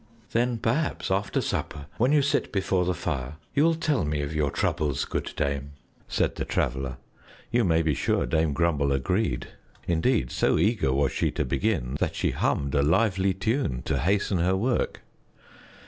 "Then perhaps after supper, when you sit before the fire, you will tell me of your troubles, good dame," said the Traveler. You may be sure Dame Grumble agreed. Indeed, so eager was she to begin that she hummed a lively tune to hasten her work.